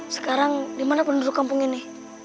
sekarang dimana penduduk kampung ini